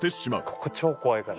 ここ超怖いから。